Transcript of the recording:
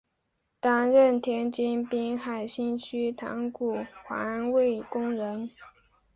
担任天津滨海新区塘沽环卫工人。